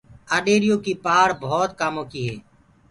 آڏيري يو ڪي پآڙه ڀوت ڪآمو ڪيٚ هي۔